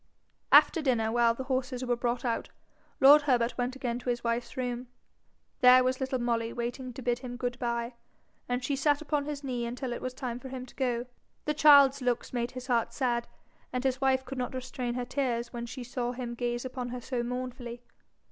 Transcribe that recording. After dinner, while the horses were brought out, lord Herbert went again to his wife's room. There was little Molly waiting to bid him good bye, and she sat upon his knee until it was time for him to go. The child's looks made his heart sad, and his wife could not restrain her tears when she saw him gaze upon her so mournfully.